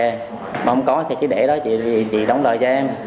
mà không có thì chị để đó chị đóng lời cho em